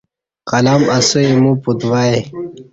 قلم اسہ ایمو پَتوا ی